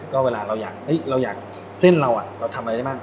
ก็เวลาเราอยากเราอยากเส้นเราเราทำอะไรได้บ้าง